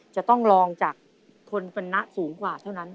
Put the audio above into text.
จะต้องลองจากคนปรณะสูงกว่าเท่านั้น